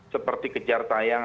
seperti kejar tayang